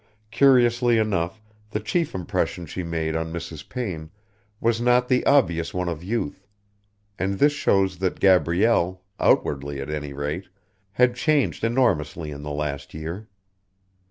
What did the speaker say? Curiously enough, the chief impression she made on Mrs. Payne was not the obvious one of youth; and this shows that Gabrielle, outwardly, at any rate, had changed enormously in the last year.